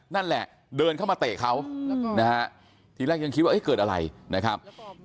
นั่นแหละเดินเข้ามาเตะเขานะฮะทีแรกยังคิดว่าเกิดอะไรนะครับ